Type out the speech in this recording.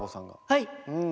はい！